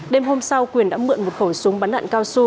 đêm hôm sau quyền đã mượn một khẩu súng bắn đạn cao su